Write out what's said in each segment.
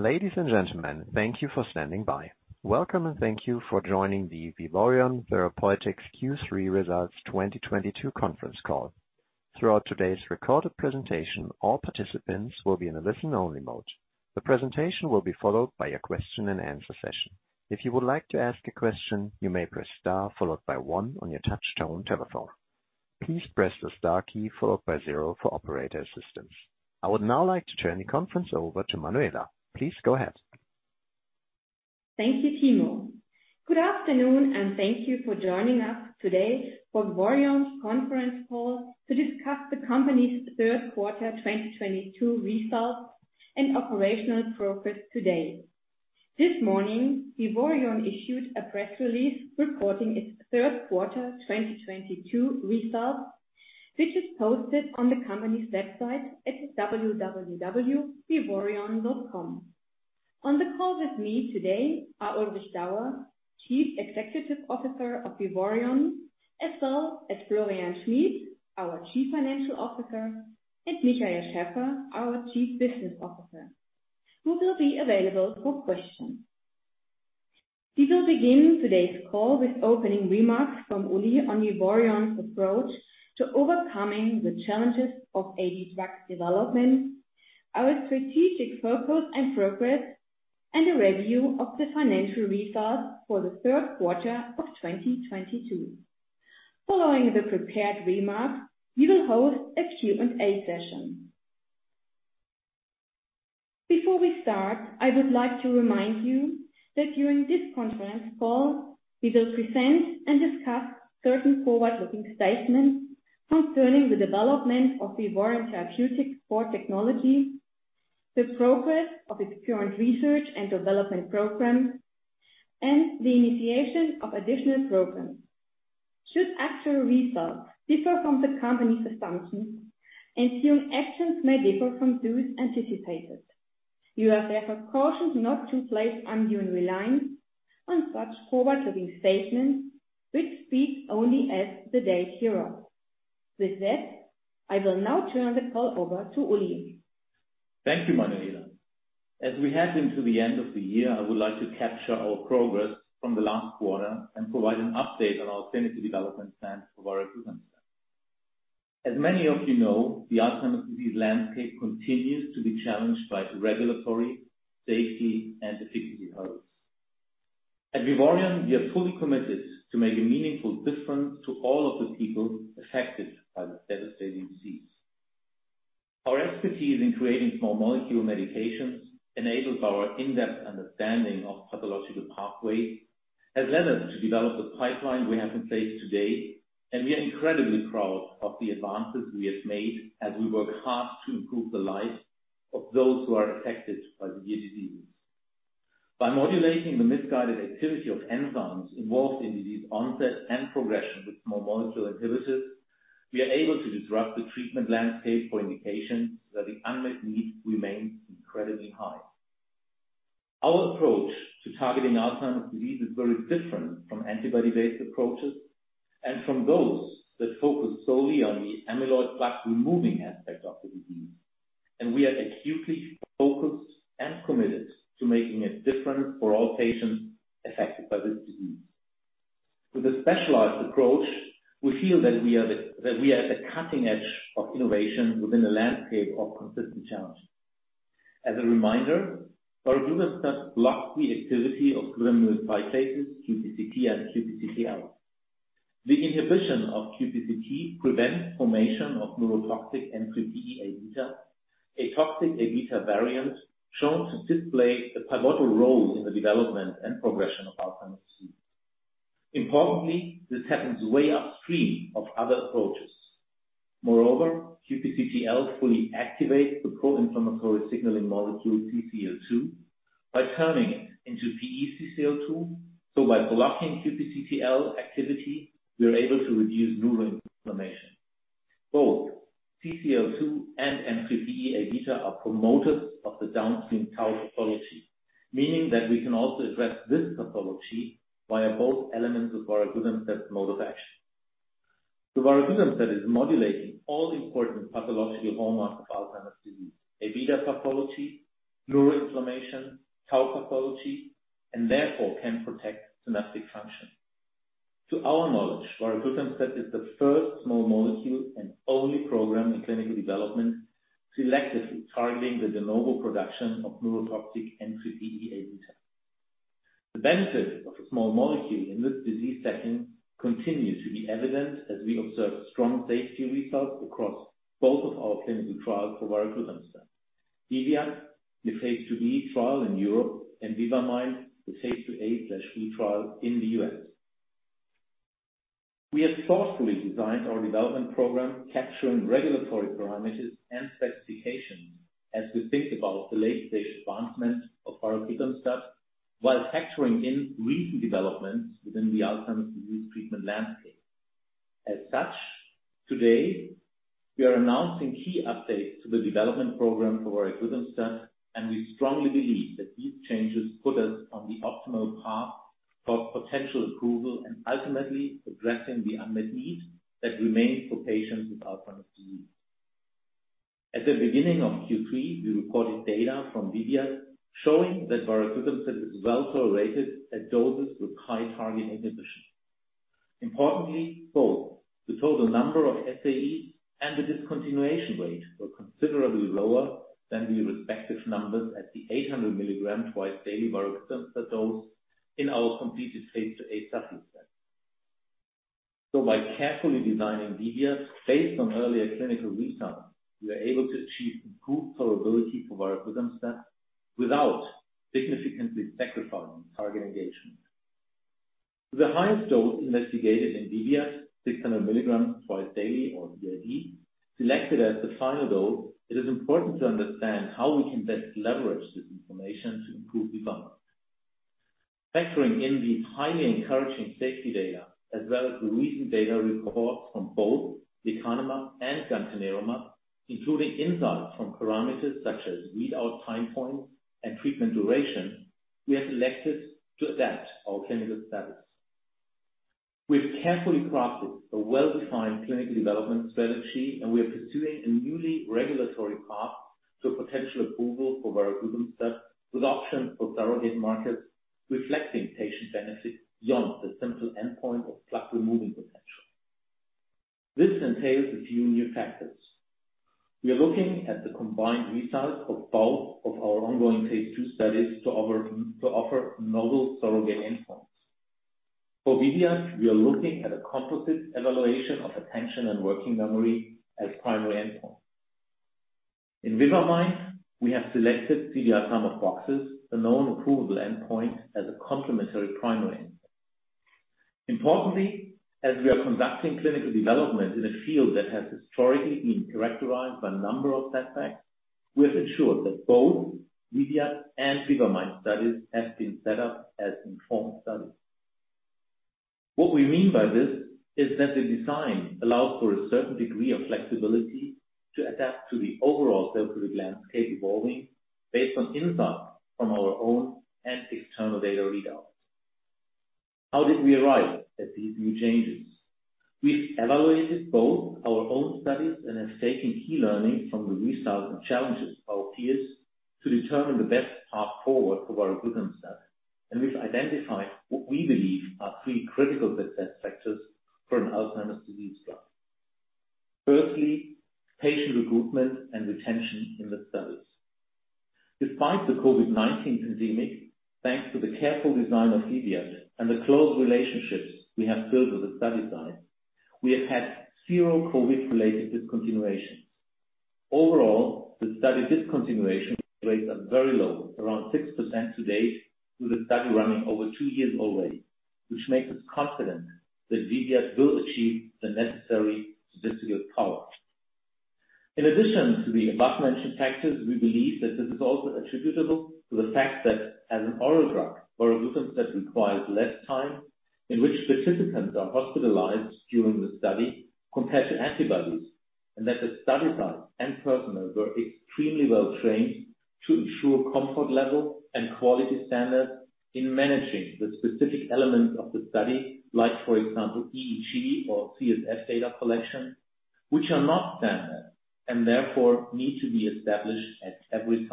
Ladies and gentlemen, thank you for standing by. Welcome and thank you for joining the Vivoryon Therapeutics Q3 Results 2022 conference call. Throughout today's recorded presentation, all participants will be in a listen-only mode. The presentation will be followed by a question-and-answer session. If you would like to ask a question, you may press star followed by one on your touchtone telephone. Please press the star key followed by zero for operator assistance. I would now like to turn the conference over to Manuela. Please go ahead. Thank you, Timo. Good afternoon, thank you for joining us today for Vivoryon's conference call to discuss the company's third quarter 2022 results and operational progress today. This morning, Vivoryon issued a press release reporting its third quarter 2022 results, which is posted on the company's website at www.vivoryon.com. On the call with me today are Ulrich Dauer, Chief Executive Officer of Vivoryon, as well as Florian Schmid, our Chief Financial Officer, and Michael Schaeffer, our Chief Business Officer, who will be available for questions. We will begin today's call with opening remarks from Uli on Vivoryon's approach to overcoming the challenges of AD drug development, our strategic focus and progress, and a review of the financial results for the third quarter of 2022. Following the prepared remarks, we will hold a Q&A session. Before we start, I would like to remind you that during this conference call, we will present and discuss certain forward-looking statements concerning the development of Vivoryon Therapeutics support technology, the progress of its current research and development program, and the initiation of additional programs. Should actual results differ from the company's assumptions, ensuing actions may differ from those anticipated. You are therefore cautioned not to place undue reliance on such forward-looking statements, which speak only as the day hereof. With that, I will now turn the call over to Uli. Thank you, Manuela. As we head into the end of the year, I would like to capture our progress from the last quarter and provide an update on our clinical development plans for varoglutamstat. As many of you know, the Alzheimer's disease landscape continues to be challenged by regulatory, safety, and efficacy hurdles. At Vivoryon, we are fully committed to making a meaningful difference to all of the people affected by this devastating disease. Our expertise in creating small molecule medications enables our in-depth understanding of pathological pathways has led us to develop the pipeline we have in place today, and we are incredibly proud of the advances we have made as we work hard to improve the lives of those who are affected by the disease. By modulating the misguided activity of enzymes involved in disease onset and progression with small molecule inhibitors, we are able to disrupt the treatment landscape for indications where the unmet need remains incredibly high. Our approach to targeting Alzheimer's disease is very different from antibody-based approaches and from those that focus solely on the amyloid plaque-removing aspect of the disease. We are acutely focused and committed to making a difference for all patients affected by this disease. With a specialized approach, we feel that we are at the cutting edge of innovation within the landscape of consistent challenges. As a reminder, varoglutamstat blocks the activity of glutaminyl cyclases, QPCT and QPCTL. The inhibition of QPCT prevents formation of neurotoxic N3pE-Abeta, a toxic Abeta variant shown to display a pivotal role in the development and progression of Alzheimer's disease. Importantly, this happens way upstream of other approaches. QPCTL fully activates the pro-inflammatory signaling molecule CCL2 by turning it into pE-CCL2. By blocking QPCTL activity, we are able to reduce neural inflammation. Both CCL2 and N3pE-Abeta are promoters of the downstream tau pathology, meaning that we can also address this pathology via both elements of varoglutamstat mode of action. The varoglutamstat is modulating all important pathological hallmarks of Alzheimer's disease, Abeta pathology, neural inflammation, tau pathology, and therefore can protect synaptic function. To our knowledge, varoglutamstat is the first small molecule and only program in clinical development selectively targeting the de novo production of neurotoxic N3pE-Abeta. The benefit of a small molecule in this disease setting continues to be evident as we observe strong safety results across both of our clinical trials for varoglutamstat. VIVIAD, the phase II-B trial in Europe, and VIVA-MIND, the phase II-A/B trial in the U.S. We have thoughtfully designed our development program capturing regulatory parameters and specifications as we think about the late-stage advancement of varoglutamstat while factoring in recent developments within the Alzheimer's disease treatment landscape. Today we are announcing key updates to the development program for varoglutamstat, and we strongly believe that these changes put us on the optimal path For potential approval and ultimately addressing the unmet need that remains for patients with Alzheimer's disease. At the beginning of Q3, we reported data from VIVIAD showing that varoglutamstat is well tolerated at doses with high target inhibition. Importantly, both the total number of SAEs and the discontinuation rate were considerably lower than the respective numbers at the 800 mg twice-daily varoglutamstat dose in our completed Phase II-A substance. By carefully designing VIVIAD based on earlier clinical results, we are able to achieve improved tolerability for varoglutamstat without significantly sacrificing target engagement. The highest dose investigated in VIVIAD, 600 mg twice daily or BID, selected as the final dose, it is important to understand how we can best leverage this information to improve design. Factoring in the highly encouraging safety data as well as the recent data report from both lecanemab and gantenerumab, including insight from parameters such as readout time points and treatment duration, we have selected to adapt our clinical status. We've carefully crafted a well-defined clinical development strategy. We are pursuing a newly regulatory path to potential approval for varoglutamstat with option for surrogate markers reflecting patient benefit beyond the simple endpoint of plaque-removing potential. This entails a few new factors. We are looking at the combined results of both of our ongoing phase II studies to offer novel surrogate endpoints. For VIVIAD, we are looking at a composite evaluation of attention and working memory as primary endpoint. In VIVA-MIND, we have selected CDR sum of boxes, the known approval endpoint, as a complementary primary endpoint. As we are conducting clinical development in a field that has historically been characterized by a number of setbacks, we have ensured that both VIVIAD and VIVA-MIND studies have been set up as informed studies. What we mean by this is that the design allows for a certain degree of flexibility to adapt to the overall therapeutic landscape evolving based on insights from our own and external data readouts. How did we arrive at these new changes? We've evaluated both our own studies and have taken key learnings from the results and challenges of our peers to determine the best path forward for varoglutamstat. We've identified what we believe are three critical success factors for an Alzheimer's disease drug. Firstly, patient recruitment and retention in the studies. Despite the COVID-19 pandemic, thanks to the careful design of VIVIAD and the close relationships we have built with the study sites, we have had zero COVID-related discontinuation. Overall, the study discontinuation rates are very low, around 6% to date, with the study running over 2 years already, which makes us confident that VIVIAD will achieve the necessary statistical power. In addition to the above-mentioned factors, we believe that this is also attributable to the fact that as an oral drug, varoglutamstat requires less time in which participants are hospitalized during the study compared to antibodies, and that the study sites and personnel were extremely well trained to ensure comfort level and quality standards in managing the specific elements of the study, like for example, EEG or CSF data collection, which are not standard and therefore need to be established at every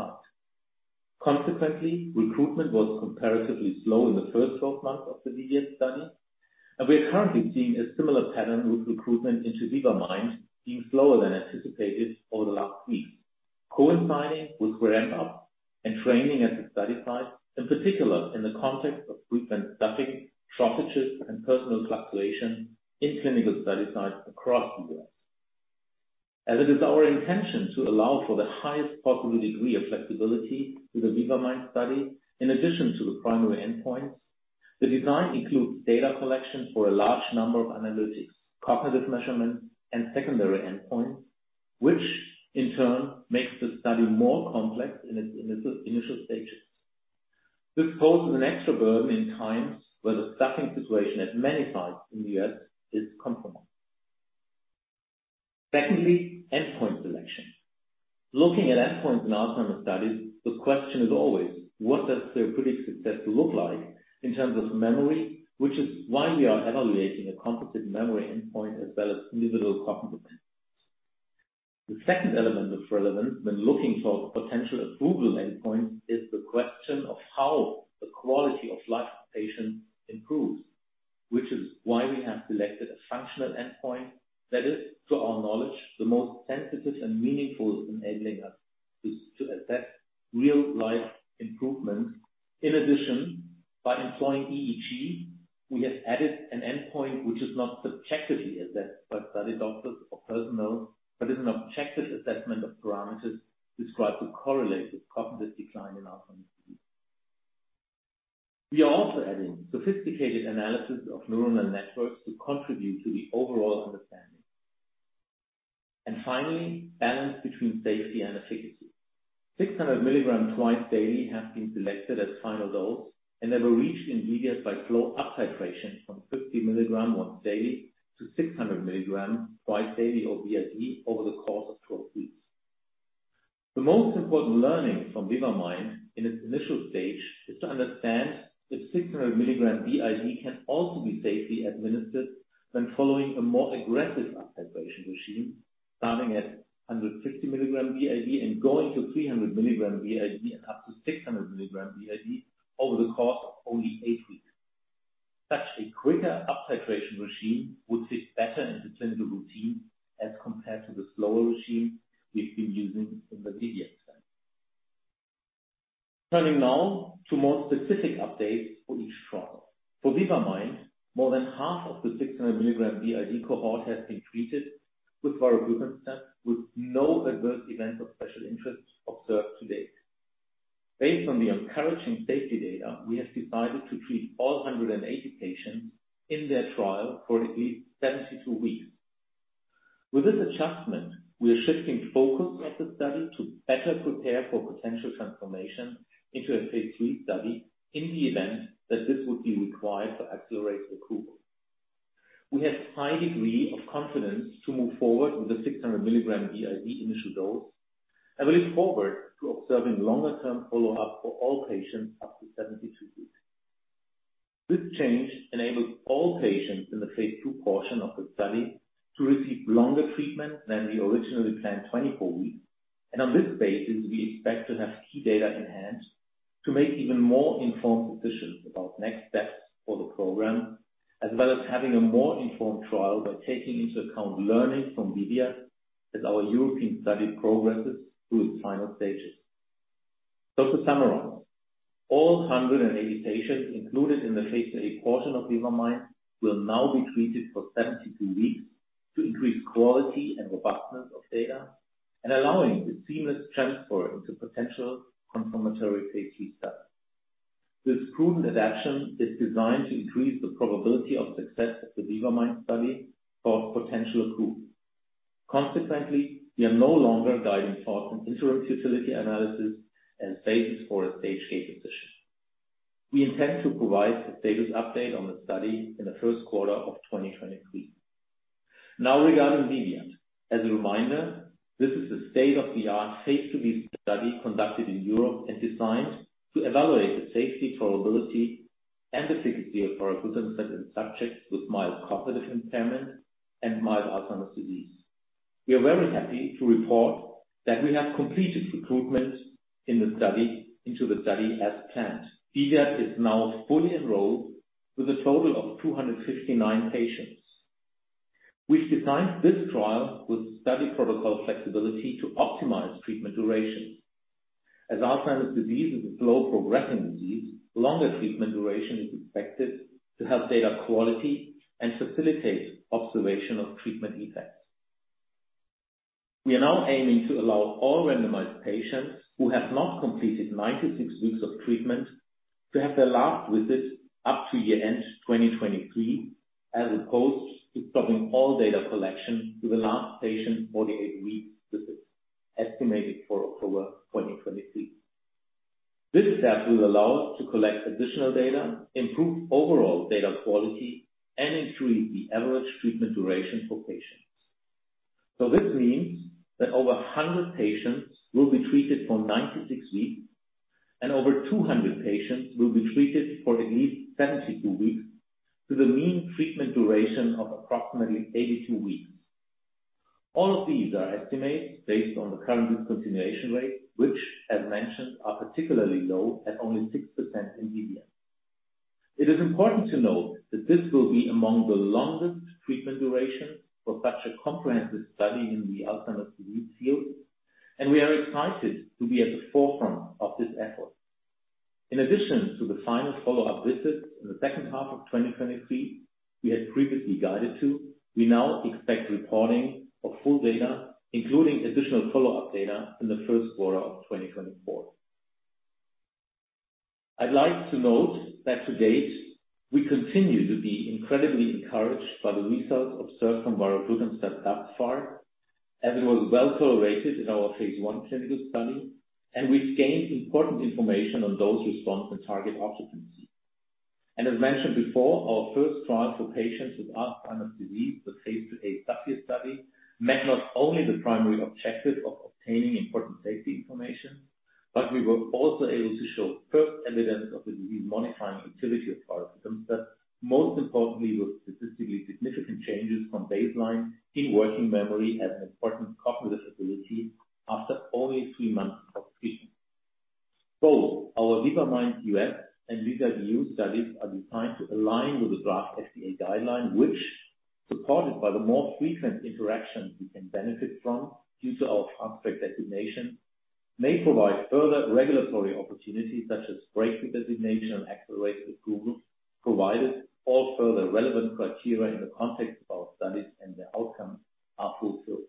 site. Recruitment was comparatively slow in the first 12 months of the VIVIAD study. We are currently seeing a similar pattern with recruitment into VIVA-MIND being slower than anticipated over the last week, coinciding with ramp up and training at the study sites, in particular, in the context of frequent staffing shortages and personnel fluctuation in clinical study sites across the U.S. As it is our intention to allow for the highest possible degree of flexibility to the VIVA-MIND study, in addition to the primary endpoints, the design includes data collection for a large number of analytics, cognitive measurements and secondary endpoints, which in turn makes the study more complex in its initial stages. This poses an extra burden in times where the staffing situation at many sites in the U.S. is compromised. Secondly, endpoint selection. Looking at endpoints in Alzheimer's studies, the question is always, what does therapeutic success look like in terms of memory, which is why we are evaluating a composite memory endpoint as well as individual cognitive endpoints. The second element of relevance when looking for potential approval endpoints is the question of how the quality of life of patients improves, which is why we have selected a functional endpoint that is, to our knowledge, the most sensitive and meaningful in enabling us to assess real-life improvements. In addition, by employing EEG, we have added an endpoint which is not subjectively assessed by study doctors or personnel, but is an objective assessment of parameters described to correlate with cognitive decline in Alzheimer's disease. We are also adding sophisticated analysis of neuronal networks to contribute to the overall understanding. Finally, balance between safety and efficacy. 600 mg twice daily has been selected as final dose and have been reached in VIVIAD by slow up-titration from 50 mg once daily to 600 mg twice daily or BID over the course of 12 weeks. The most important learning from VIVA-MIND in its initial stage is to understand if 600 mg BID can also be safely administered when following a more aggressive uptitration regime, starting at 150 mg BID and going to 300 mg BID and up to 600 mg BID over the course of only 8 weeks. Such a quicker uptitration regime would fit better into clinical routine as compared to the slower regime we've been using in the VIVIAD trial. Turning now to more specific updates for each trial. For VIVA-MIND, more than half of the 600 mg BID cohort has been treated with varoglutamstat with no adverse events of special interest observed to date. Based on the encouraging safety data, we have decided to treat all 180 patients in their trial for at least 72 weeks. With this adjustment, we are shifting focus of the study to better prepare for potential transformation into a phase III study in the event that this would be required for Accelerated Approval. We have high degree of confidence to move forward with the 600 mg BID initial dose, and we look forward to observing longer term follow-up for all patients up to 72 weeks. This change enables all patients in the phase II portion of the study to receive longer treatment than the originally planned 24 weeks. On this basis, we expect to have key data in hand to make even more informed decisions about next steps for the program, as well as having a more informed trial by taking into account learning from VIVIAD as our European study progresses through its final stages. To summarize, all 180 patients included in the phase A portion of VIVA-MIND will now be treated for 72 weeks to increase quality and robustness of data and allowing the seamless transfer into potential confirmatory phase III study. This prudent adaptation is designed to increase the probability of success of the VIVA-MIND study for potential approval. Consequently, we are no longer guiding thoughts on interim utility analysis and stages for a stage gate decision. We intend to provide a status update on the study in the first quarter of 2023. Now regarding VIVIAD. As a reminder, this is a state-of-the-art phase II-B study conducted in Europe and designed to evaluate the safety, tolerability, and efficacy of varoglutamstat in subjects with mild cognitive impairment and mild Alzheimer's disease. We are very happy to report that we have completed recruitment into the study as planned. VIVIAD is now fully enrolled with a total of 259 patients. We've designed this trial with study protocol flexibility to optimize treatment duration. As Alzheimer's disease is a slow-progressing disease, longer treatment duration is expected to help data quality and facilitate observation of treatment effects. We are now aiming to allow all randomized patients who have not completed 96 weeks of treatment to have their last visit up to year-end 2023, as opposed to stopping all data collection to the last patient 48 weeks visit, estimated for October 2023. This step will allow us to collect additional data, improve overall data quality, and increase the average treatment duration for patients. This means that over 100 patients will be treated for 96 weeks, and over 200 patients will be treated for at least 72 weeks to the mean treatment duration of approximately 82 weeks. All of these are estimates based on the current discontinuation rate, which as mentioned, are particularly low at only 6% in VIVIAD. It is important to note that this will be among the longest treatment durations for such a comprehensive study in the Alzheimer's disease field, and we are excited to be at the forefront of this effort. In addition to the final follow up visit in the second half of 2023 we had previously guided to, we now expect reporting of full data, including additional follow-up data in the first quarter of 2024. I'd like to note that to date, we continue to be incredibly encouraged by the results observed from varoglutamstat thus far, as it was well tolerated in our phase I clinical study, and we've gained important information on dose response and target occupancy. As mentioned before, our first trial for patients with Alzheimer's disease, the phase II-A VIVA-MIND study, met not only the primary objective of obtaining important safety information, but we were also able to show first evidence of the disease-modifying activity of varoglutamstat, most importantly, with statistically significant changes from baseline in working memory as an important cognitive ability after only 3 months of treatment. Both our VIVA-MIND US and VIVIAD EU studies are designed to align with the draft FDA guideline, which, supported by the more frequent interactions we can benefit from due to our Fast Track designation, may provide further regulatory opportunities such as Breakthrough designation and Accelerated Approval, provided all further relevant criteria in the context of our studies and their outcomes are fulfilled.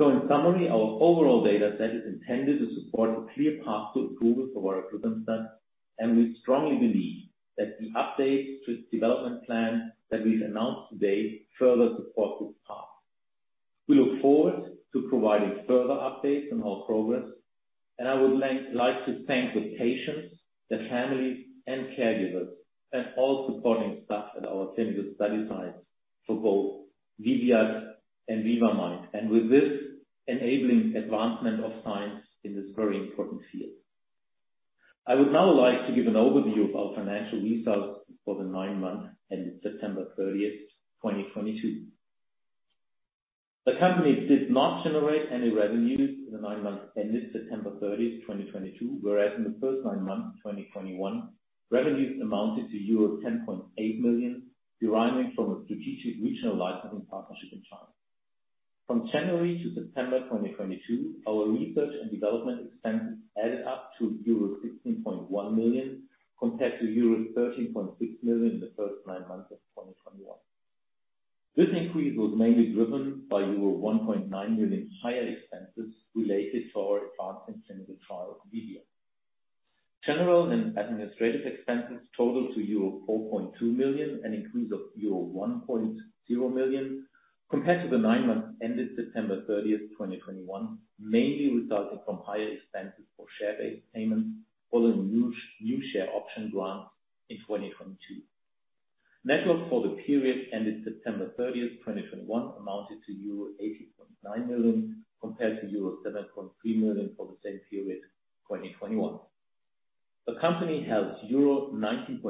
In summary, our overall data set is intended to support a clear path to approval for varoglutamstat, and we strongly believe This increase was mainly driven by 1.9 million higher expenses related to our advancing clinical trial VIVIAD. General and administrative expenses totaled to euro 4.2 million, an increase of euro 1.0 million compared to the nine months ended September 30, 2021, mainly resulting from higher expenses for share-based payments following new share option grants in 2022. Net loss for the period ended September 30, 2021 amounted to euro 80.9 million compared to euro 7.3 million for the same period, 2021. The company has euro 19.8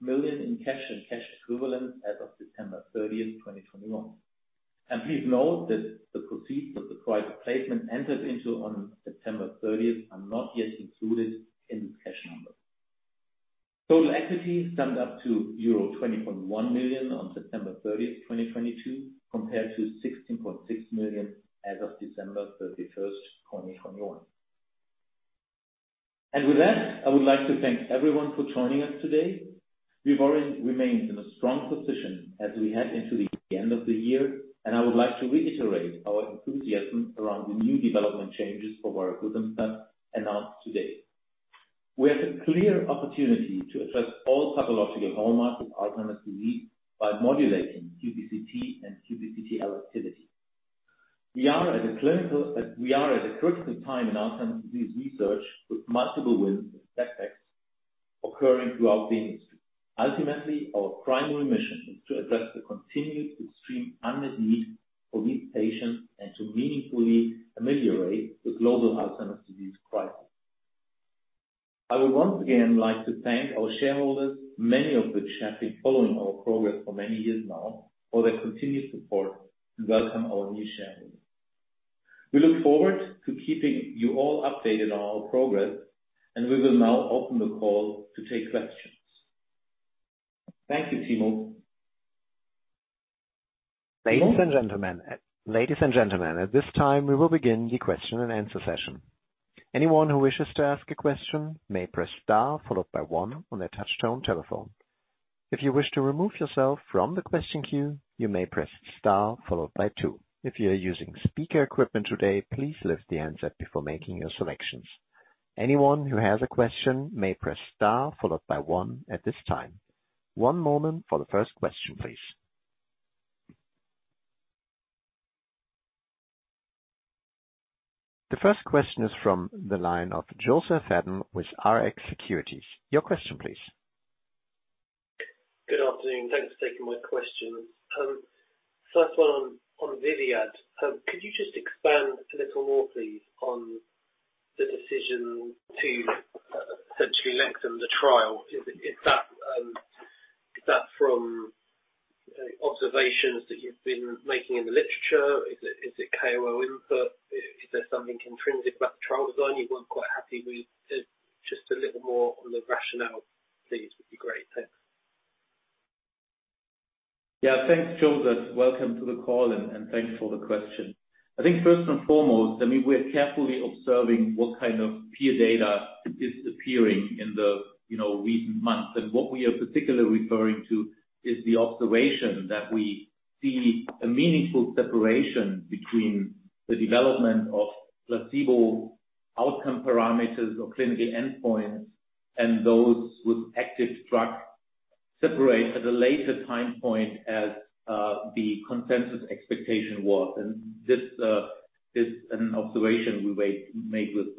million in cash and cash equivalents as of September 30, 2021. Please note that the proceeds of the private placement entered into on September 30 are not yet included in this cash number. Total equity summed up to euro 20.1 million on September 30, 2022, compared to 16.6 million as of December 31, 2021. With that, I would like to thank everyone for joining us today. We've already remained in a strong position as we head into the end of the year, and I would like to reiterate our enthusiasm around the new development changes for varoglutamstat announced today. We have a clear opportunity to address all pathological hallmarks of Alzheimer's disease by modulating QPCT and QPCTL activity. We are at a critical time in Alzheimer's disease research with multiple wins with setbacks occurring throughout the industry. Ultimately, our primary mission is to address the continued extreme unmet need for these patients and to meaningfully ameliorate the global Alzheimer's disease crisis. I would once again like to thank our shareholders, many of which have been following our progress for many years now, for their continued support, and welcome our new shareholders. We look forward to keeping you all updated on our progress, and we will now open the call to take questions. Thank you, Timo. Ladies and gentlemen, at this time, we will begin the question and answer session. Anyone who wishes to ask a question may press star followed by one on their touchtone telephone. If you wish to remove yourself from the question queue, you may press star followed by two. If you are using speaker equipment today, please lift the handset before making your selections. Anyone who has a question may press star followed by one at this time. One moment for the first question, please. The first question is from the line of Joseph Hedden with Rx Securities. Your question please. Good afternoon. Thanks for taking my question. First one on VIVIAD. Could you just expand a little more, please, on the decision to essentially lengthen the trial? Is that from observations that you've been making in the literature? Is it KOL input? Is there something intrinsic about the trial design you weren't quite happy with? Just a little more on the rationale, please, would be great. Thanks. Yeah. Thanks, Joseph. Welcome to the call, and thanks for the question. I think first and foremost, I mean, we're carefully observing what kind of peer data is appearing in the, you know, recent months. What we are particularly referring to is the observation that we see a meaningful separation between the development of placebo outcome parameters or clinical endpoints, and those with active drug separate at a later time point as the consensus expectation was. This is an observation we made with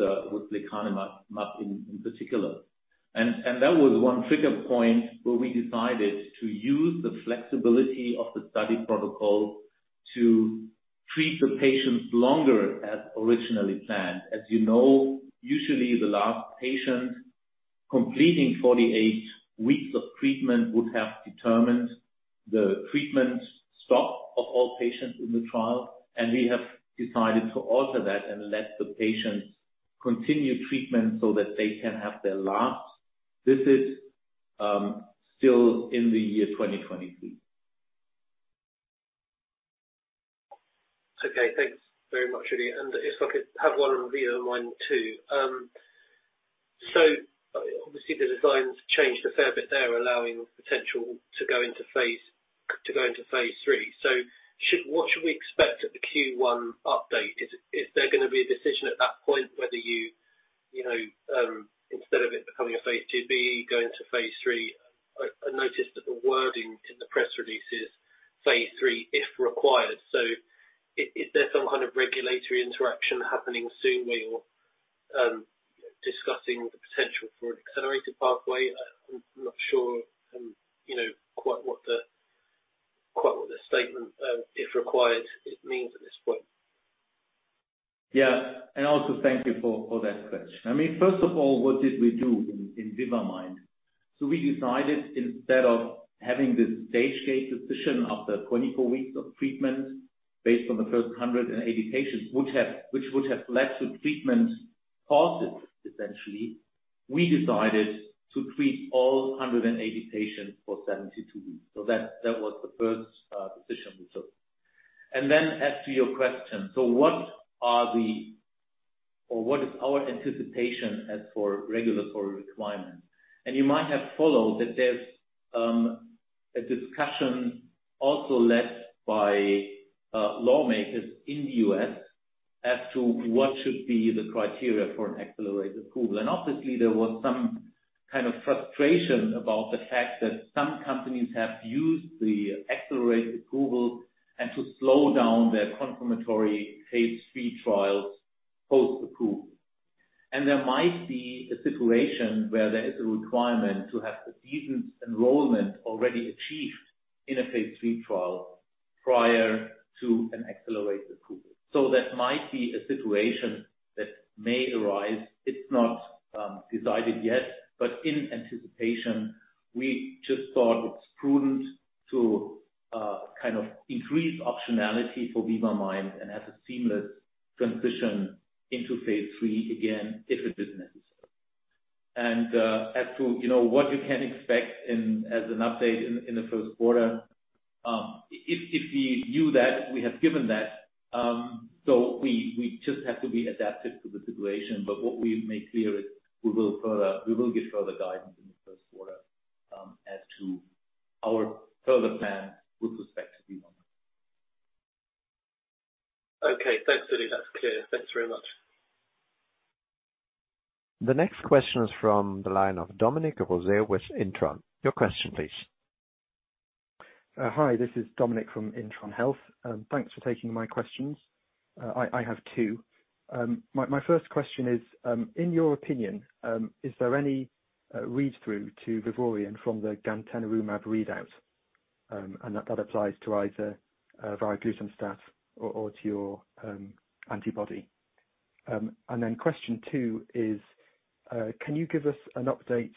lecanemab in particular. That was one trigger point where we decided to use the flexibility of the study protocol to treat the patients longer as originally planned. As you know, usually the last patient completing 48 weeks of treatment would have determined the treatment stop of all patients in the trial, and we have decided to alter that and let the patients continue treatment so that they can have their last visit still in the year 2023. Okay, thanks very much, Uli. If I could have one on VIVA-MIND too. Obviously the design's changed a fair bit there, allowing potential to go into phase III. What should we expect at the Q1 update? Is there gonna be a decision at that point whether you know, instead of it becoming a phase II-B, go into phase III? I noticed that the wording in the press releases, phase III if required. Is there some kind of regulatory interaction happening soon where you're discussing the potential for an accelerated pathway? I'm not sure, you know, quite what the statement, if required, it means at this point. Yeah. Also thank you for that question. I mean, first of all, what did we do in VIVA-MIND? We decided instead of having this stage gate decision after 24 weeks of treatment based on the first 180 patients, which would have led to treatment pauses, essentially, we decided to treat all 180 patients for 72 weeks. That was the first decision we took. As to your question, what are the, or what is our anticipation as for regulatory requirements? You might have followed that there's a discussion also led by lawmakers in the U.S. as to what should be the criteria for an Accelerated Approval. Obviously, there was some kind of frustration about the fact that some companies have used the Accelerated Approval and to slow down their confirmatory phase III trials post-approval. There might be a situation where there is a requirement to have a decent enrollment already achieved in a phase III trial prior to an Accelerated Approval. That might be a situation that may arise. It's not decided yet, but in anticipation, we just thought it's prudent to kind of increase optionality for VIVA-MIND and have a seamless transition into phase III again, if it is necessary. As to, you know, what you can expect in, as an update in the first quarter, if we knew that, we have given that. We just have to be adaptive to the situation. What we've made clear is we will further, we will give further guidance in the first quarter, as to our further plans with respect to VIVA-MIND. Okay. Thanks, Uli. That's clear. Thanks very much. The next question is from the line of Dominic Rose with Intron. Your question please. Hi, this is Dominic from Intron Health. Thanks for taking my questions. I have two. My first question is, in your opinion, is there any read-through to Vivoryon from the gantenerumab readout? That applies to either varoglutamstat or to your antibody. Question two is, can you give us an update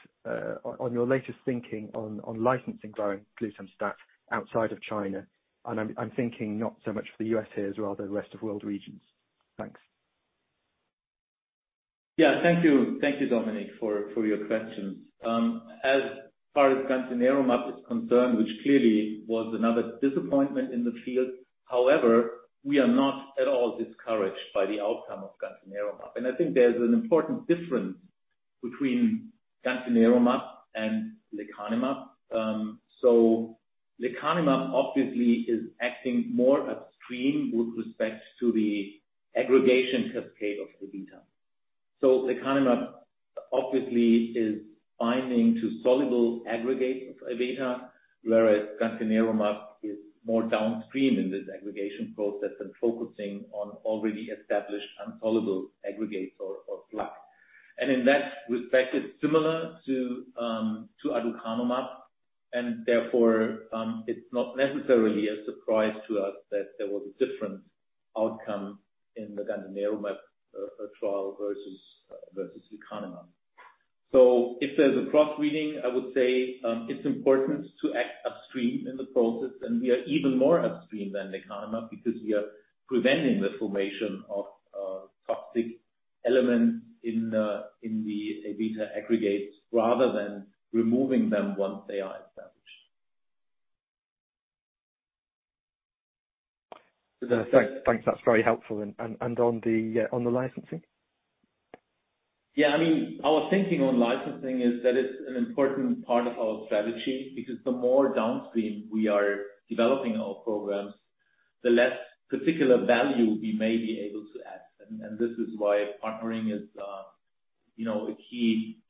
on your latest thinking on licensing varoglutamstat outside of China? I'm thinking not so much for the U.S. here, as well the rest of world regions. Thanks. Yeah, thank you. Thank you, Dominic, for your questions. As far as gantenerumab is concerned, which clearly was another disappointment in the field. However, we are not at all discouraged by the outcome of gantenerumab. I think there's an important difference between gantenerumab and lecanemab. Lecanemab obviously is acting more upstream with respect to the aggregation cascade of Abeta. Lecanemab obviously is binding to soluble aggregates of Abeta, whereas gantenerumab is more downstream in this aggregation process and focusing on already established insoluble aggregates or plaque. In that respect, it's similar to aducanumab, and therefore, it's not necessarily a surprise to us that there was a different outcome in the gantenerumab trial versus lecanemab. If there's a cross-reading, I would say, it's important to act upstream in the process, and we are even more upstream than lecanemab because we are preventing the formation of toxic elements in the, in the Abeta aggregates rather than removing them once they are established. Thanks. That's very helpful. On the licensing. Yeah, I mean, our thinking on licensing is that it's an important part of our strategy because the more downstream we are developing our programs, the less particular value we may be able to add. This is why partnering is, you know, a key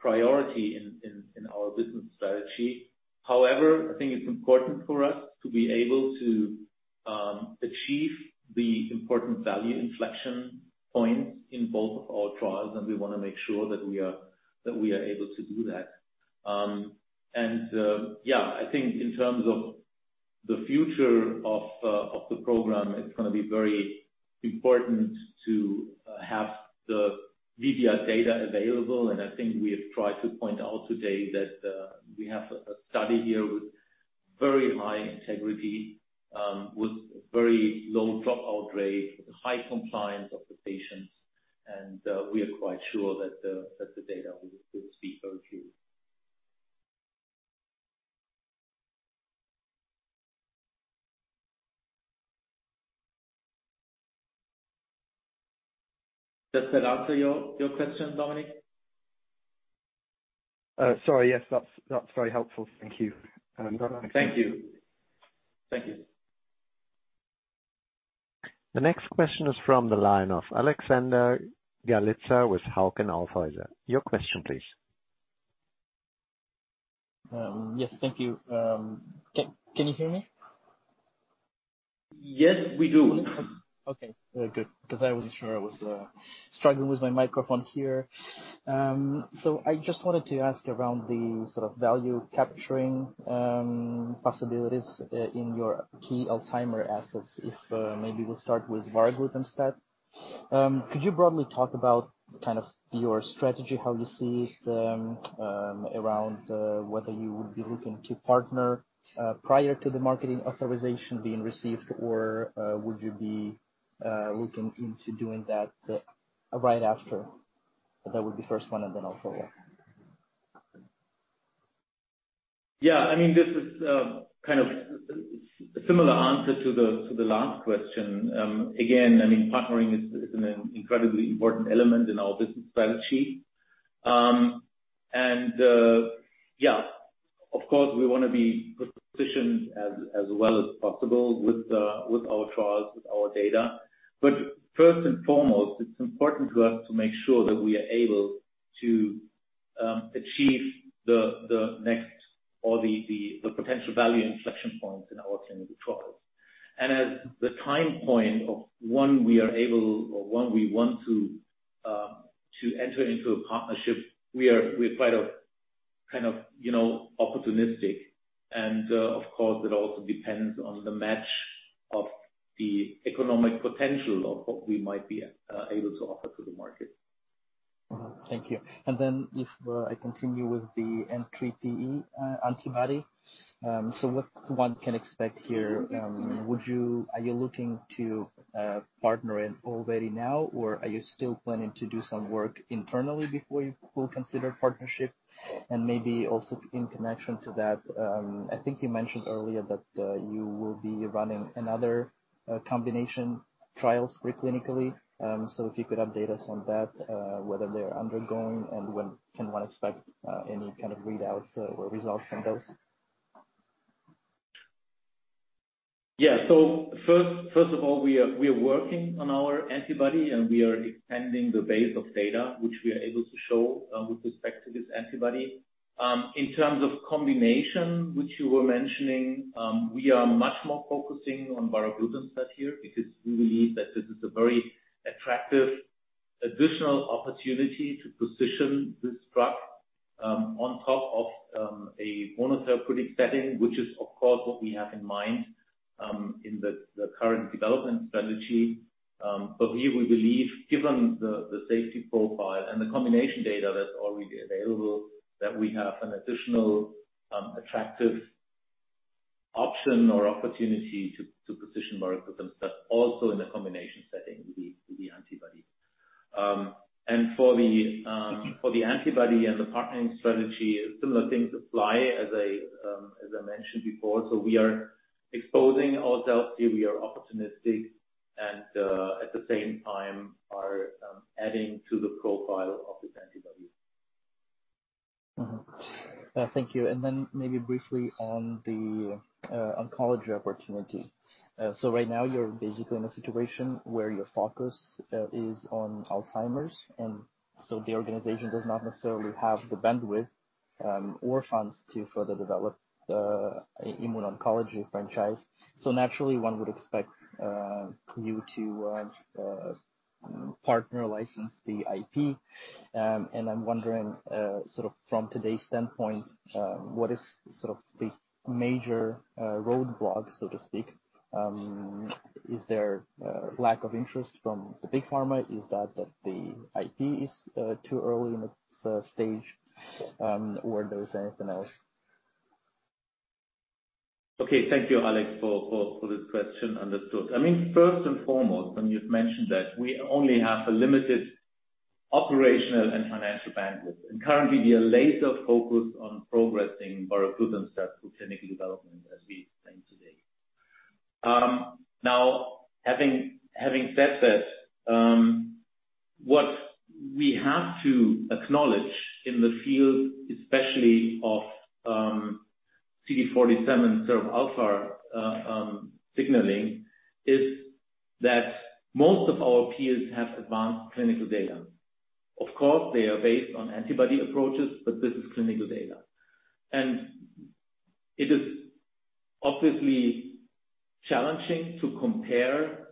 priority in our business strategy. However, I think it's important for us to be able to achieve the important value inflection points in both of our trials, and we wanna make sure that we are able to do that. Yeah, I think in terms of the future of the program, it's gonna be very important to have the VBR data available. I think we have tried to point out today that, we have a study here with very high integrity, with very low dropout rate, high compliance of the patients, and, we are quite sure that the data will speak for itself. Does that answer your question, Dominic? Sorry. Yes, that's very helpful. Thank you. Thank you. Thank you. The next question is from the line of Alexander Galitsa with Hauck & Aufhäuser. Your question please. Yes, thank you. Can you hear me? Yes, we do. Okay, very good, because I wasn't sure. I was struggling with my microphone here. I just wanted to ask around the sort of value capturing possibilities in your key Alzheimer's assets. If maybe we'll start with varoglutamstat, could you broadly talk about kind of your strategy, how you see it around whether you would be looking to partner prior to the marketing authorization being received or would you be looking into doing that right after? That would be first one, and then I'll follow up. Yeah. I mean, this is kind of similar answer to the last question. Again, I mean, partnering is an incredibly important element in our business strategy. Yeah, of course, we want to be positioned as well as possible with our trials, with our data. First and foremost, it's important to us to make sure that we are able to achieve the next or the potential value inflection points in our clinical trials. As the time point of when we are able or when we want to enter into a partnership, we're quite a kind of, you know, opportunistic and, of course, it also depends on the match of the economic potential of what we might be able to offer to the market. Thank you. I continue with the N3pE antibody. What one can expect here, are you looking to partner it already now, or are you still planning to do some work internally before you will consider partnership? In connection to that, I think you mentioned earlier that you will be running another combination trials preclinically. If you could update us on that, whether they are undergoing and when can one expect any kind of readouts or results from those? First of all, we are working on our antibody. We are expanding the base of data which we are able to show with respect to this antibody. In terms of combination which you were mentioning, we are much more focusing on varoglutamstat here because we believe that this is a very attractive additional opportunity to position this drug on top of a monotherapeutic setting, which is of course what we have in mind in the current development strategy. We believe given the safety profile and the combination data that's already available, that we have an additional attractive option or opportunity to position varoglutamstat also in a combination setting with the antibody. For the, for the antibody and the partnering strategy, similar things apply as I, as I mentioned before. We are exposing ourselves here. We are opportunistic and, at the same time are, adding to the profile of this antibody. Thank you. Then maybe briefly on the oncology opportunity. Right now you're basically in a situation where your focus is on Alzheimer's, and the organization does not necessarily have the bandwidth or funds to further develop the immune oncology franchise. Naturally, one would expect you to partner license the IP. I'm wondering sort of from today's standpoint, what is sort of the major roadblock, so to speak? Is there a lack of interest from the big pharma? Is that the IP is too early in its stage, or there's anything else? Okay. Thank you, Alex, for this question. Understood. I mean first and foremost, and you've mentioned that we only have a limited operational and financial bandwidth, and currently we are laser focused on progressing varoglutamstat through clinical development as we explained today. Now having said that, what we have to acknowledge in the field, especially of CD47 SIRPα signaling, is that most of our peers have advanced clinical data. Of course, they are based on antibody approaches, but this is clinical data. It is obviously challenging to compare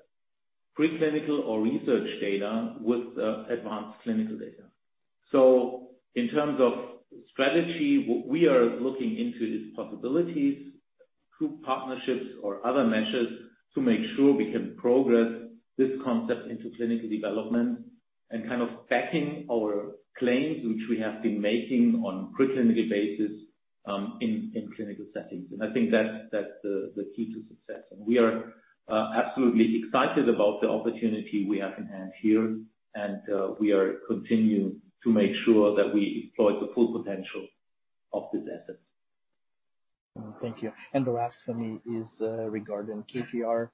pre-clinical or research data with advanced clinical data. In terms of strategy, what we are looking into is possibilities through partnerships or other measures to make sure we can progress this concept into clinical development and kind of backing our claims, which we have been making on pre-clinical basis, in clinical settings. I think that's the key to success. We are absolutely excited about the opportunity we have in hand here. We are continuing to make sure that we exploit the full potential of this asset. Thank you. The last for me is regarding KKR,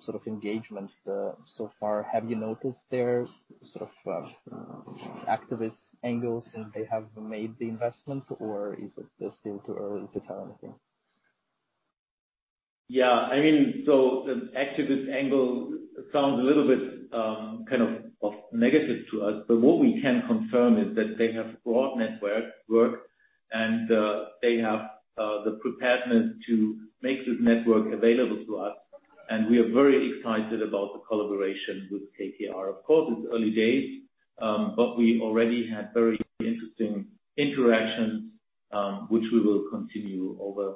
sort of engagement so far. Have you noticed their sort of activist angles since they have made the investment, or is it still too early to tell anything? I mean, the activist angle sounds a little bit kind of negative to us, but what we can confirm is that they have broad network, and they have the preparedness to make this network available to us, and we are very excited about the collaboration with KKR. Of course, it's early days, but we already had very interesting interactions, which we will continue over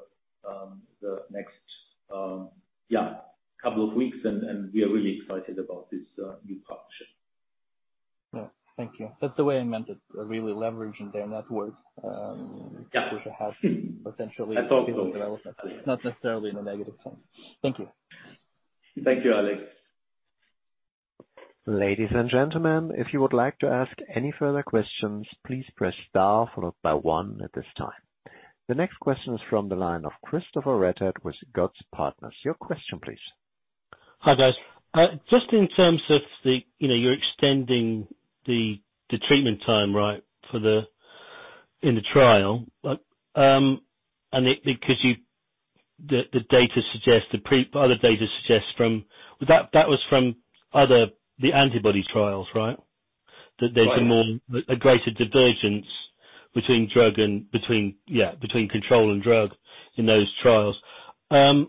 the next, yeah, couple of weeks, and we are really excited about this new partnership. Yeah. Thank you. That's the way I meant it, really leveraging their network. Yeah. which will help potentially I thought so. development. Not necessarily in a negative sense. Thank you. Thank you, Alex. Ladies and gentlemen, if you would like to ask any further questions, please press star followed by one at this time. The next question is from the line of Chris Redhead with goetzpartners. Your question please. Hi, guys. just in terms of the... You know, you're extending the treatment time, right? For the trial. It... Because the data suggests, other data suggests from... That was from other antibody trials, right? That there's- Right. a greater divergence between drug and between, yeah, between control and drug in those trials. How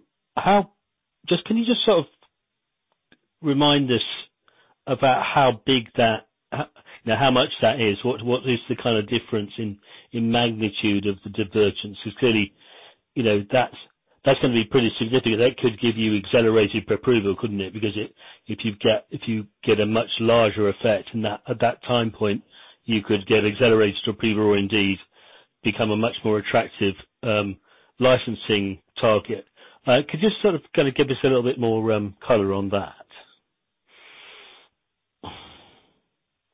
big that, you know, how much that is? What is the kind of difference in magnitude of the divergence? Because clearly, you know, that's gonna be pretty significant. That could give you accelerated pre-approval, couldn't it? Because if you get a much larger effect in that, at that time point, you could get Accelerated Approval or indeed become a much more attractive licensing target. Could you sort of kind of give us a little bit more color on that?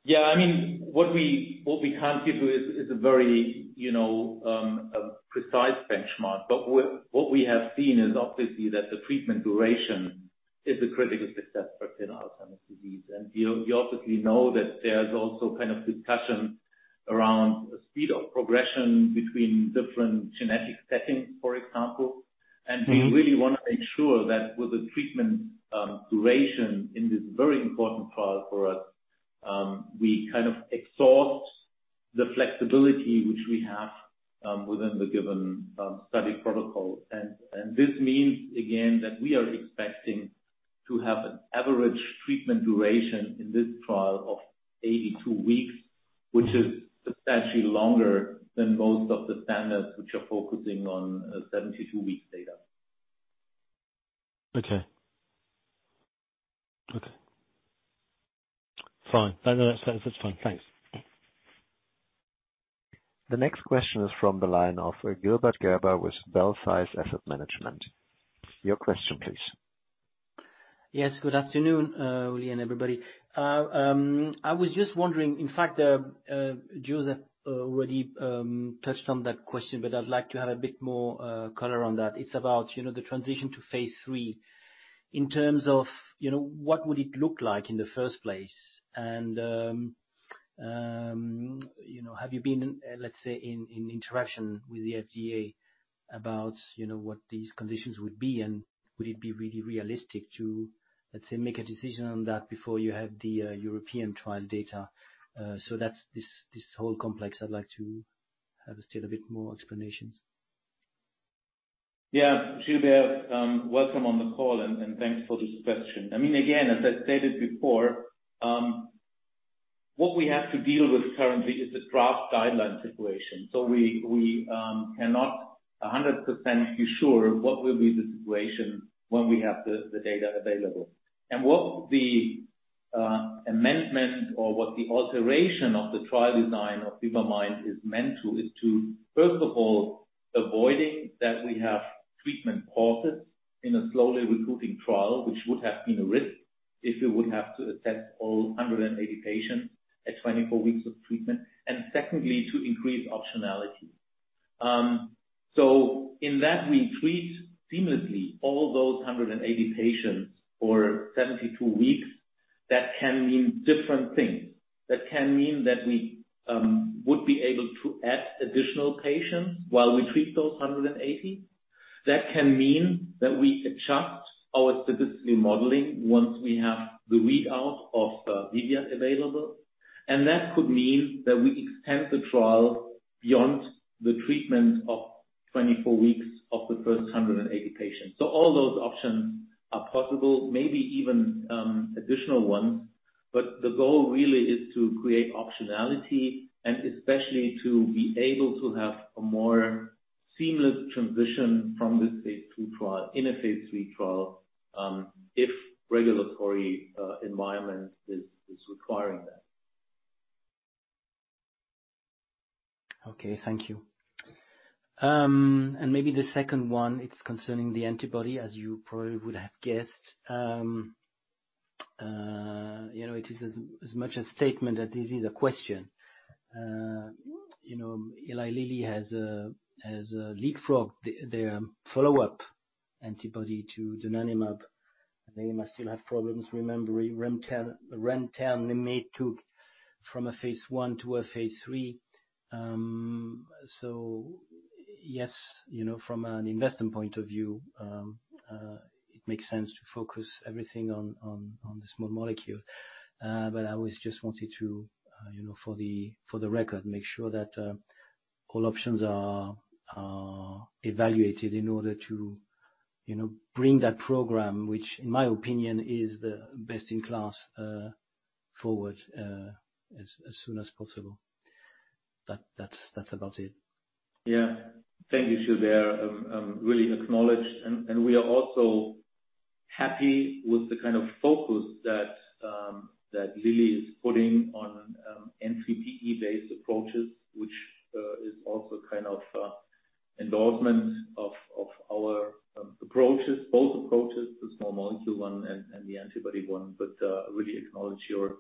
Yeah, I mean, what we can't give you is a very, you know, a precise benchmark. What we have seen is obviously that the treatment duration is a critical success factor in Alzheimer's disease. You obviously know that there's also kind of discussion around speed of progression between different genetic settings, for example. Mm-hmm. We really wanna make sure that with the treatment, duration in this very important trial for us, we kind of exhaust the flexibility which we have, within the given, study protocol. This means, again, that we are expecting to have an average treatment duration in this trial of 82 weeks, which is substantially longer than most of the standards which are focusing on, 72 weeks data. Okay. Okay. Fine. No, no, that's fine. Thanks. The next question is from the line of Gilbert Gerber with Belsize Asset Management. Your question please. Yes, good afternoon, Uli and everybody. I was just wondering, in fact, Joseph already touched on that question. I'd like to have a bit more color on that. It's about, you know, the transition to phase III. In terms of, you know, what would it look like in the first place? You know, have you been in, let's say, in interaction with the FDA about, you know, what these conditions would be? Would it be really realistic to, let's say, make a decision on that before you have the European trial data? That's this whole complex I'd like to have still a bit more explanations. Gilbert, welcome on the call, and thanks for this question. I mean, again, as I stated before, what we have to deal with currently is the draft guideline situation. We cannot 100% be sure what will be the situation when we have the data available. What the amendment or what the alteration of the trial design of VIVAMIND is meant to, first of all, avoiding that we have treatment pauses in a slowly recruiting trial, which would have been a risk if we would have to assess all 180 patients at 24 weeks of treatment. Secondly, to increase optionality. In that we treat seamlessly all those 180 patients for 72 weeks, that can mean different things. That can mean that we would be able to add additional patients while we treat those 180. That can mean that we adjust our statistical modeling once we have the read-out of VIVIAD available. That could mean that we extend the trial beyond the treatment of 24 weeks of the first 180 patients. All those options are possible, maybe even additional ones, but the goal really is to create optionality and especially to be able to have a more seamless transition from this phase II trial in a phase III trial, if regulatory environment is requiring that. Okay, thank you. Maybe the second one, it's concerning the antibody, as you probably would have guessed. You know, it is as much a statement as it is a question. You know, Eli Lilly has leapfrogged their follow up antibody to donanemab. They must still have problems remembering remternetug from a phase I to a phase III. Yes, you know, from an investment point of view, it makes sense to focus everything on the small molecule. I always just wanted to, you know, for the record, make sure that all options are evaluated in order to, you know, bring that program, which in my opinion is the best in class, forward as soon as possible. That's about it. Yeah. Thank you, Gilbert. really acknowledged. We are also happy with the kind of focus that Lilly is putting on N3pE-based approaches, which is also kind of a endorsement of our approaches. Both approaches, the small molecule one and the antibody one. I really acknowledge your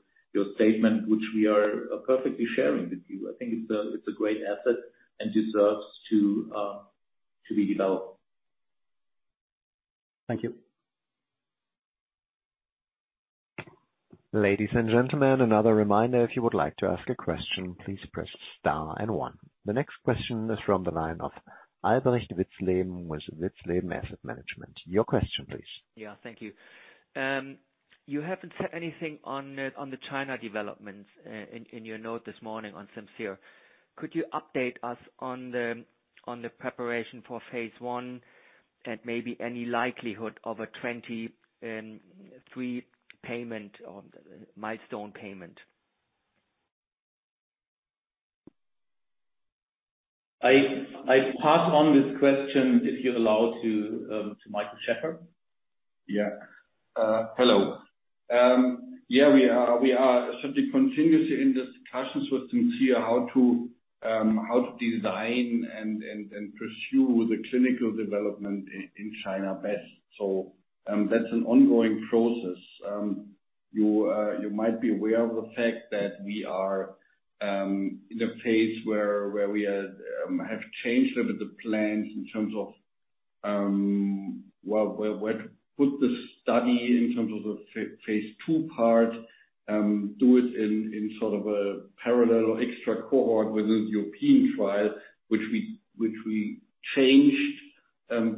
statement, which we are perfectly sharing with you. I think it's a great asset and deserves to be developed. Thank you. Ladies and gentlemen, another reminder, if you would like to ask a question, please press star and one. The next question is from the line of Albrecht von Witzleben with von Witzleben Asset Management. Your question please. Yeah, thank you. You haven't said anything on the China developments in your note this morning on Simcere. Could you update us on the preparation for phase I and maybe any likelihood of a 2023 payment or milestone payment? I pass on this question, if you allow, to Michael Schaeffer. Yeah. Hello. Yeah, we are certainly continuously in discussions with Simcere how to design and pursue the clinical development in China best. That's an ongoing process. You might be aware of the fact that we are in a phase where we are have changed a bit the plans in terms of where to put the study in terms of the phase II part. Do it in sort of a parallel extra cohort within the European trial, which we changed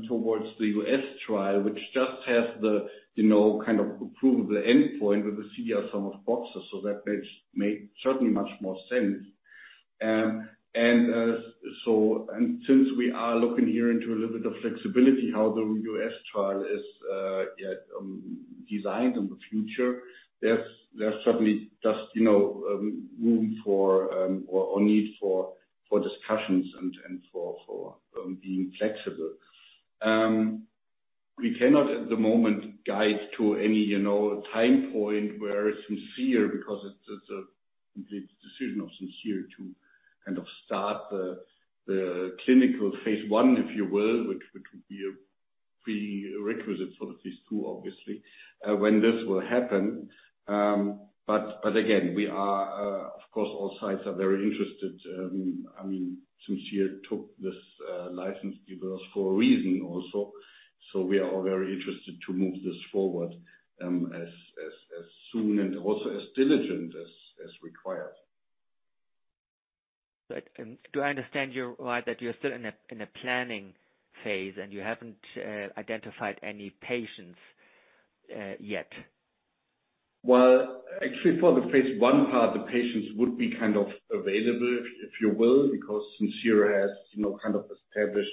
towards the U.S. trial, which just has the, you know, kind of approvable endpoint with the CDR sum of boxes. That makes, made certainly much more sense. Since we are looking here into a little bit of flexibility how the U.S. trial is designed in the future, there's certainly just, you know, room for, or need for discussions and for being flexible. We cannot at the moment guide to any, you know, time point where Simcere, because it's a complete decision of Simcere to kind of start the clinical phase I, if you will, which would be a pretty requisite for the phase II, obviously, when this will happen. Again, we are, of course all sides are very interested. I mean, Simcere took this license because for a reason also. We are all very interested to move this forward, as soon and also as diligent as required. Right. Do I understand you right, that you're still in a planning phase and you haven't identified any patients yet? Well, actually, for the phase I part, the patients would be kind of available, if you will, because Simcere has, you know, kind of established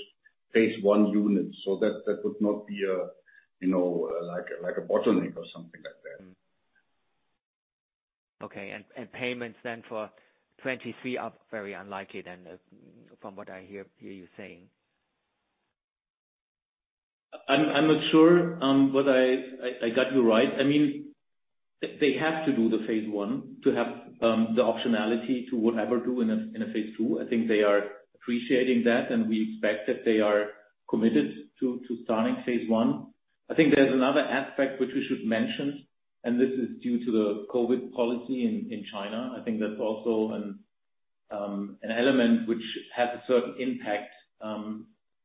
phase I units. So that would not be a, you know, like a, like a bottleneck or something like that. Okay. Payments then for 23 are very unlikely then, from what I hear you saying. I'm not sure, whether I got you right. I mean, they have to do the Phase I to have the optionality to whatever do in a Phase II. I think they are appreciating that, and we expect that they are committed to starting Phase I. I think there's another aspect which we should mention, and this is due to the COVID policy in China. I think that's also an element which has a certain impact,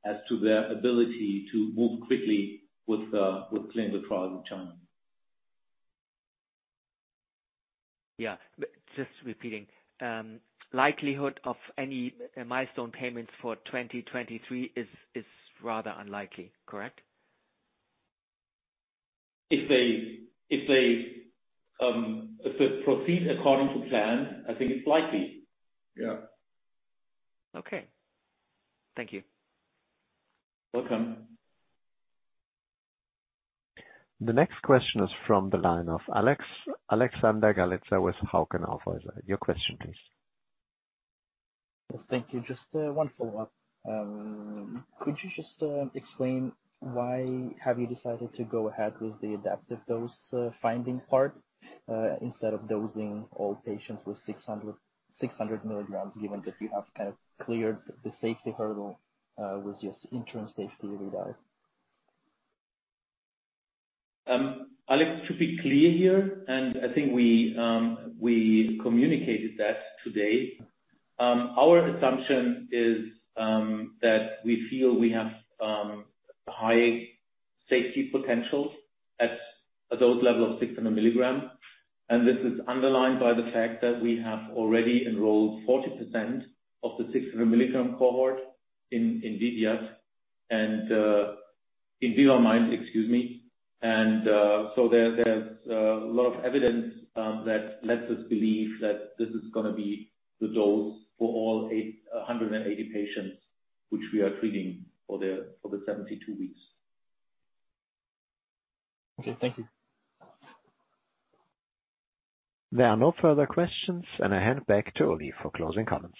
as to their ability to move quickly with clinical trials in China. Yeah. Just repeating, likelihood of any milestone payments for 2023 is rather unlikely, correct? If they, if it proceed according to plan, I think it's likely. Yeah. Okay. Thank you. Welcome. The next question is from the line of Alexander Galitsa with Hauck & Aufhäuser. Your question please. Yes. Thank you. Just 1 follow-up. Could you just explain why have you decided to go ahead with the adaptive dose finding part instead of dosing all patients with 600 mg, given that you have kind of cleared the safety hurdle with just interim safety readout? Alex, to be clear here, I think we communicated that today. Our assumption is that we feel we have high safety potential at a dose level of 600 mg. This is underlined by the fact that we have already enrolled 40% of the 600 mg cohort in VVS and in VIVA-MIND, excuse me. There's a lot of evidence that lets us believe that this is gonna be the dose for all 880 patients, which we are treating for the 72 weeks. Okay. Thank you. There are no further questions, and I hand back to Uli for closing comments.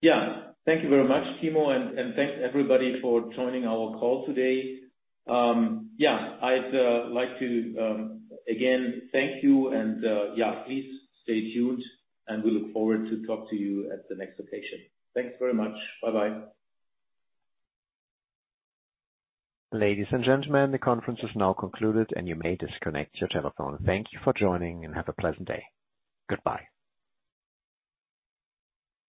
Yeah. Thank you very much, Timo, and thanks everybody for joining our call today. Yeah, I'd like to again thank you and, yeah, please stay tuned, and we look forward to talk to you at the next occasion. Thanks very much. Bye-bye. Ladies and gentlemen, the conference is now concluded, and you may disconnect your telephone. Thank you for joining, and have a pleasant day. Goodbye.